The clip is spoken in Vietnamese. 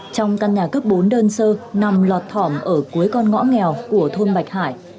trong căn nhà cấp bốn đơn sơ nằm lọt thỏm ở cuối con ngõ nghèo của thôn bạch hải